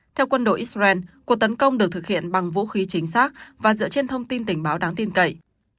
theo quân đội israel cuộc tấn công được thực hiện bằng vũ khí chính xác và dựa trên thông tin tình báo đáng tin cậy